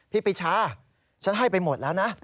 ปีชาฉันให้ไปหมดแล้วนะ